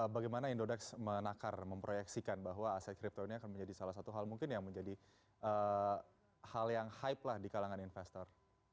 bagaimana indodax menakar memproyeksikan bahwa aset kripto ini akan menjadi salah satu hal mungkin yang menjadi hal yang hype lah di kalangan investor